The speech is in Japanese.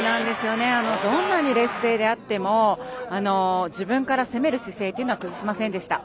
どんなに劣勢であっても自分から攻める姿勢っていうのは崩しませんでした。